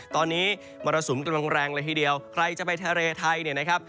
ตอนนี้มรสุมกำลังแรงเลยทีเดียวใครจะไปทะเลไทยเนี่ยนะครับ